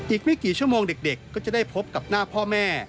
อีกไม่กี่ชั่วโมงเด็กก็จะได้พบกับหน้าพ่อแม่